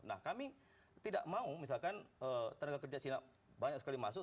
nah kami tidak mau misalkan tenaga kerja cina banyak sekali masuk